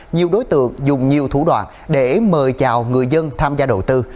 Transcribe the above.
nhiều đối tượng dùng nhiều thủ đoạn để mời chào người dân tham gia đầu tư